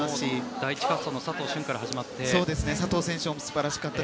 第１滑走の佐藤駿から始まりました。